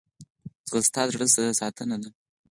ځغاسته د زړه ساتنه ده